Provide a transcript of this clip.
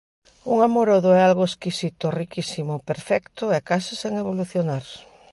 Un amorodo é algo exquisito, riquísimo, perfecto e case sen evolucionar.